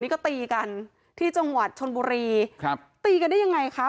นี่ก็ตีกันที่จังหวัดชนบุรีครับตีกันได้ยังไงคะ